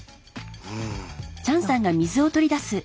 うん。